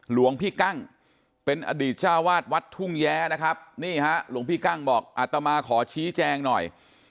หลวงพี่กั้งเป็นอดีตเจ้าวาดวัดทุ่งแย้นะครับนี่ฮะหลวงพี่กั้งบอกอัตมาขอชี้แจงหน่อย